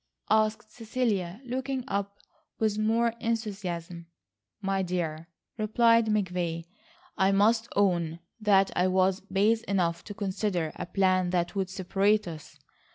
asked Cecilia, looking up with more enthusiasm. "My dear," replied McVay, "I must own that I was base enough to consider a plan that would separate us.